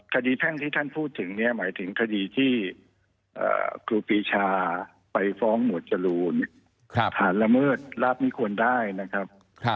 แพ่งที่ท่านพูดถึงเนี่ยหมายถึงคดีที่ครูปีชาไปฟ้องหมวดจรูนฐานละเมิดลาบไม่ควรได้นะครับ